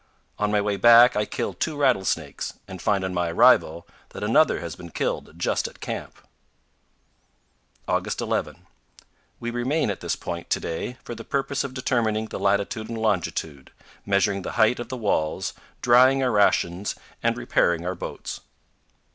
On my way back I kill two rattlesnakes, and find on my arrival that another has been killed just at camp. August 11. We remain at this point to day for the purpose of determining the latitude and longitude, measuring the height of the walls, drying our rations, and repairing our boats.